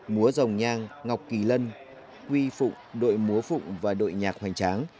múa rồng nhang ngọc kỳ lân quy phụng đội múa phụng và đội nhạc hoành tráng